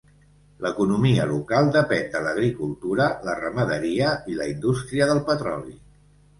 L'economia local depèn de l'agricultura, la ramaderia i la indústria del petroli.